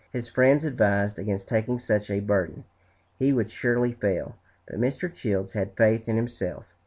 His friends advised against taking such a burden; he would surely fail. But Mr. Childs had faith in himself.